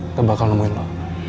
mereka bakal nemuin lo